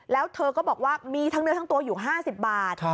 แล้วเธอก็บอกว่ามีทั้งเนื้อทั้งตัวอยู่๕๐บาท